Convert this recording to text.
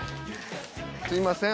すみません。